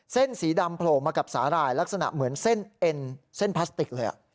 สีดำโผล่มากับสาหร่ายลักษณะเหมือนเส้นเอ็นเส้นพลาสติกเลย